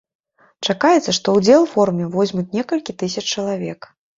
Чакаецца, што ўдзел форуме возьмуць некалькі тысяч чалавек.